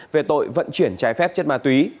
về tội vận chuyển trái phép chất ma túy